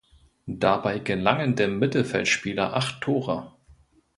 Dabei gelangen dem Mittelfeldspieler acht Tore.